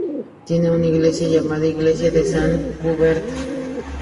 Tiene una iglesia llamada Iglesia de San Cuthbert.